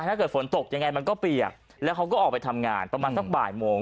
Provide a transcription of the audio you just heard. ถ้าเกิดฝนตกยังไงมันก็เปียกแล้วเขาก็ออกไปทำงานประมาณสักบ่ายโมง